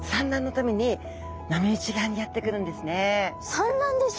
産卵ですか？